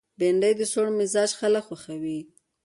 بېنډۍ د سوړ مزاج خلک خوښوي